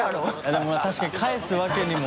でも確かに帰すわけにも。